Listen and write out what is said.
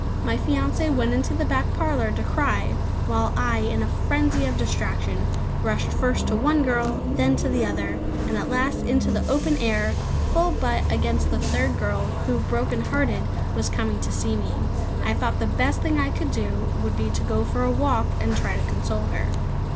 My fiancée went into the back parlour to cry, while I, in a frenzy of distraction, rushed first to one girl, then to the other; and at last into the open air, full butt against the third girl, who, brokenhearted, was coming to see me. I thought the best thing I could do would be to go for a walk and try to console her.